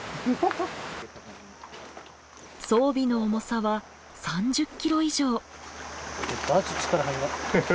装備の重さは３０キロ以上。